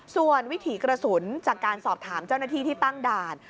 ส่วนวิถีกระสุนจากการสอบถามเจ้าหน้าที่ที่ตั้งด่าน